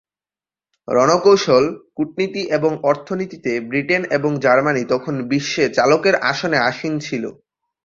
রণকৌশল, কূটনীতি এবং অর্থনীতিতে ব্রিটেন এবং জার্মানি তখন বিশ্বে চালকের আসনে আসীন ছিল।